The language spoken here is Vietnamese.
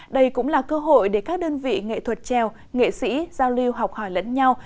đây cũng là cơ hội để các đơn vị nghệ thuật trèo nghệ sĩ giao lưu học hỏi lẫn nhau